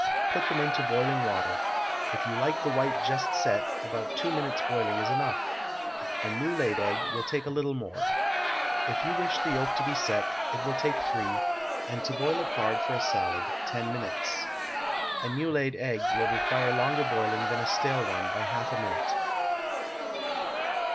Put them into boiling water; if you like the white just set, about two minutes' boiling is enough. A new laid egg will take a little more. If you wish the yolk to be set, it will take three, and to boil it hard for a salad, ten minutes. A new laid egg will require longer boiling than a stale one by half a minute.